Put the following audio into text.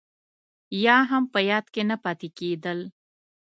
يا هم په ياد کې نه پاتې کېدل.